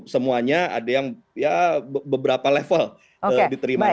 semuanya ada yang ya beberapa level diterima